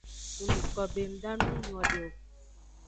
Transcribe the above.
Ng nuko be nda nu nyode o.